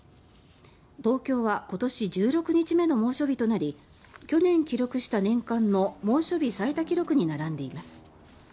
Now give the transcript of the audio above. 東京は今年１６日目の猛暑日となり去年記録した年間の猛暑日最多記録に並んでいます。